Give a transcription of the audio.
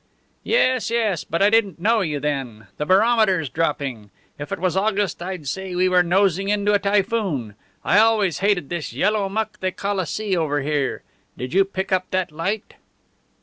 "Yes, yes! But I didn't know you then. The barometer's dropping. If it was August I'd say we were nosing into a typhoon. I always hated this yellow muck they call a sea over here. Did you pick up that light?"